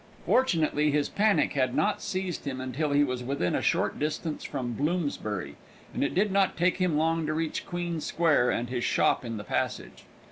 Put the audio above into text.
Fortunately his panic had not seized him until he was within a short distance from Bloomsbury, and it did not take him long to reach Queen Square and his shop in the passage.